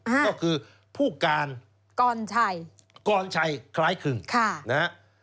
ฮะก็คือภูการกรณ์ชัยกรณ์ชัยคล้ายคึงค่ะนะฮะ